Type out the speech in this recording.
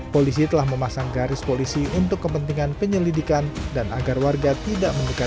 polisi telah memasang garis polisi untuk mencari pertolongan pesantren nurul amalia dan meliputi pekerjaan pelajar yang berumur dua puluh tahun